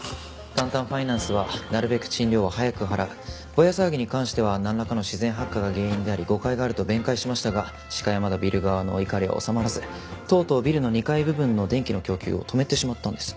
タンタンファイナンスは「なるべく賃料は早く払う」「ボヤ騒ぎに関してはなんらかの自然発火が原因であり誤解がある」と弁解しましたが鹿山田ビル側の怒りは収まらずとうとうビルの２階部分の電気の供給を止めてしまったんです。